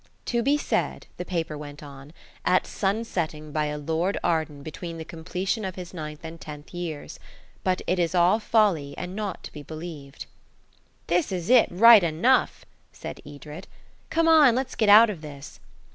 "To be said," the paper went on, "at sun setting by a Lord Arden between the completion of his ninth and tenth years. But it is all folly and not to be believed." "This is it, right enough," said Edred. "Come on, let's get out of this."